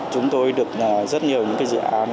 chúng tôi được rất nhiều dự án